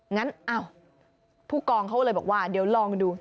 งั้นอ้าวผู้กองเขาเลยบอกว่าเดี๋ยวลองดู